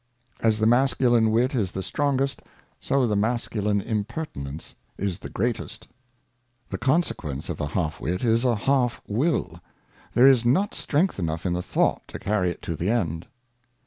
As the masculine Wit is the strongest, so the masculine Impertinence is the greatest. The Consequence of a Half Wit is a Half Will, there is not Strength enough in the Thought to carry it to the End.